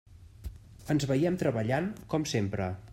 Ens veiem treballant, com sempre.